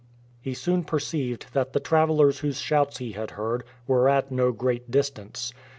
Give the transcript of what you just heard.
He soon perceived that the travelers whose shouts he had heard were at no great distance.